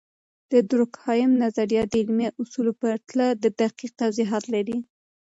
د دورکهايم نظریات د علمي اصولو په پرتله دقیق توضیحات لري.